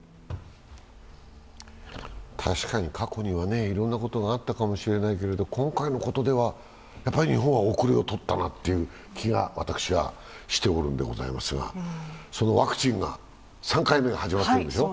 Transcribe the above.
確かに過去にはいろんなことがあったかもしれないけれども、今回のことでは日本は遅れをとったなという気が私はしておるんでございますが、そのワクチンが３回目が始まっているんでしょう。